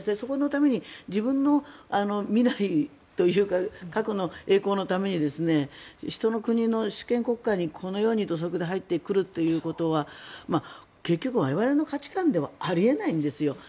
そのために自分の未来というか過去の栄光のために人の国の主権国家に、このように土足で入ってくるということは結局、我々の価値観ではあり得ないんですよ。